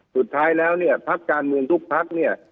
สุดท้ายแล้วเนี่ยพักการเมืองทุกพักเนี่ย